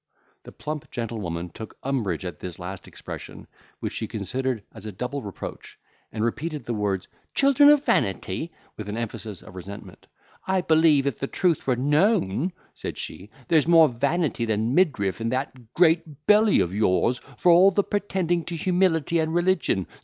The plump gentlewoman took umbrage at this last expression, which she considered as a double reproach, and repeated the words, "Children of vanity!" with an emphasis of resentment. "I believe, if the truth were known," said she, "there's more vanity than midriff in that great belly of yours, for all your pretending to humility and religion.